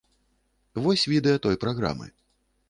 Вось відэа той праграмы.